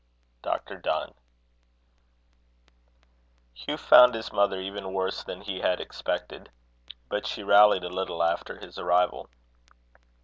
DR. DONNE. Hugh found his mother even worse than he had expected; but she rallied a little after his arrival.